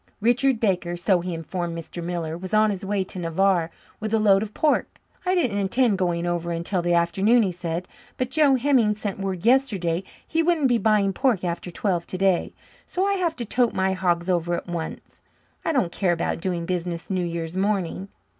Richard Baker, so he informed Mr. Miller, was on his way to Navarre with a load of pork. "I didn't intend going over until the afternoon," he said, "but Joe Hemming sent word yesterday he wouldn't be buying pork after twelve today. So I have to tote my hogs over at once. I don't care about doing business New Year's morning."